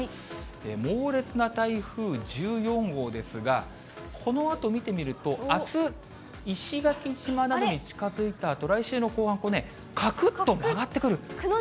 猛烈な台風１４号ですが、このあと見てみると、あす、石垣島などに近づいたあと、来週の後半、ここね、かくっと曲がってくる。